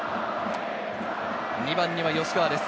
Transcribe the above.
２番には吉川です。